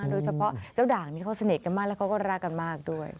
โดยเฉพาะเจ้าด่างนี่เขาสนิทกันมากและเขาก็รักกันมากด้วย